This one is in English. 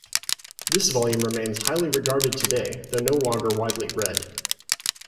This volume remains highly regarded today, though no longer widely read.